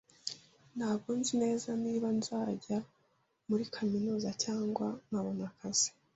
Ntabwo nzi neza niba nzajya muri kaminuza cyangwa nkabona akazi.